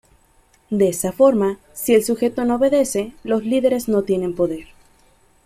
De esa forma, si el sujeto no obedece, los líderes no tienen poder.